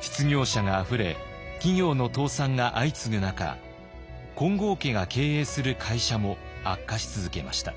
失業者があふれ企業の倒産が相次ぐ中金剛家が経営する会社も悪化し続けました。